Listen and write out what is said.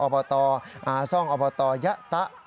อบตอาซ่องอบตยะตะ